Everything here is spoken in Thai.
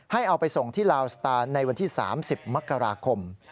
เอาไปส่งที่ลาวสตาร์ในวันที่๓๐มกราคม